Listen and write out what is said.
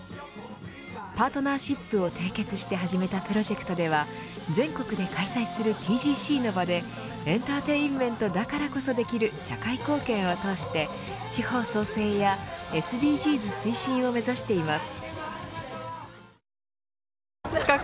パートナーシップを締結して始めたプロジェクトでは全国で開催するＴＧＣの場でエンターテインメントだからこそできる社会貢献を通して地方創生やＳＤＧｓ推進を目指しています。